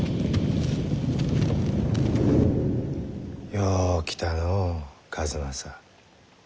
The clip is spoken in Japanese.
よう来たのう数正。